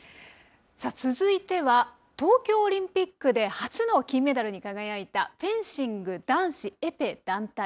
続いては東京オリンピックで初の金メダルに輝いたフェンシング男子エペ団体。